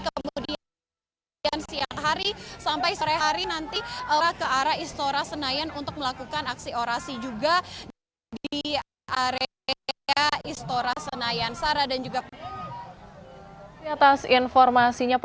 kemudian siang hari sampai sore hari nanti ke arah istora senayan untuk melakukan aksi orasi